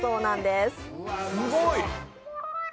すごい！